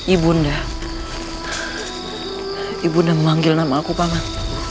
ibu nda ibu nda memanggil nama aku paman